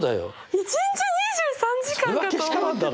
１日２３時間かと思ってた。